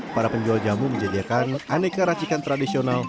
para penjual jamu menyediakan aneka racikan tradisional